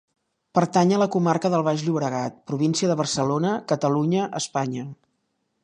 Pertany a la comarca del Baix Llobregat, província de Barcelona, Catalunya, Espanya.